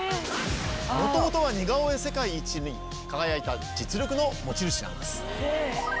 元々は似顔絵世界一に輝いた実力の持ち主なんです。